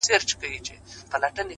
نیک کردار تر نوم مخکې ځلېږي,